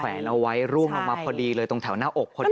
แวนเอาไว้ร่วงลงมาพอดีเลยตรงแถวหน้าอกพอดี